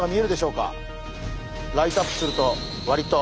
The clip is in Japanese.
ライトアップすると。